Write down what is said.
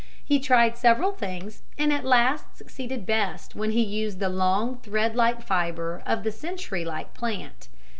He tried several things and at last succeeded best when he used the long thread like fibre of the century like plant.